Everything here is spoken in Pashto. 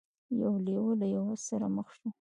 یو لیوه له یو آس سره مخ شو.